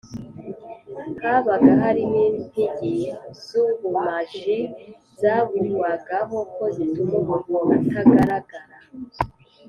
habaga harimo impigi z’ubumaji zavugwagaho ko zituma umuntu atagaragara